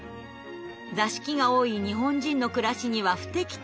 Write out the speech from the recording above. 座敷が多い日本人の暮らしには不適当。